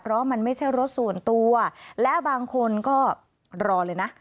เพราะมันไม่ใช่รถส่วนตัวและบางคนก็รอเลยนะ